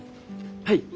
はい。